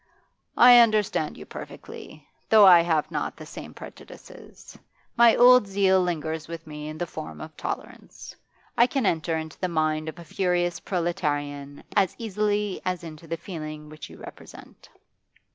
'I understand you perfectly, though I have not the same prejudices. My old zeal lingers with me in the form of tolerance. I can enter into the mind of a furious proletarian as easily as into the feeling which you represent.